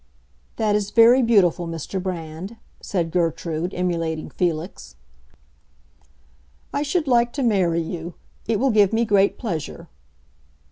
"That is very beautiful, Mr. Brand," said Gertrude, emulating Felix. "I should like to marry you. It will give me great pleasure."